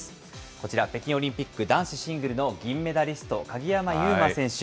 こちら、北京オリンピック男子シングルの銀メダリスト、鍵山優真選手。